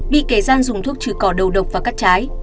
bị kẻ gian dùng thuốc trừ cỏ đầu độc và cắt trái